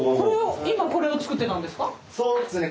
今これを作ってたんですか？